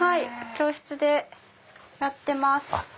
教室でやってます。